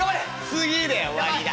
「次で終わりだ。